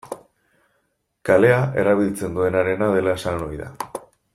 Kalea erabiltzen duenarena dela esan ohi da.